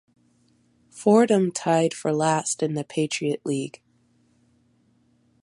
Fordham tied for last in the Patriot League.